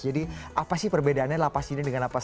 jadi apa sih perbedaannya lapas ini dengan lapas